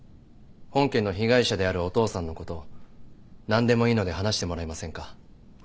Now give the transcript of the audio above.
本件の被害者であるお父さんのことを何でもいいので話してもらえませんか。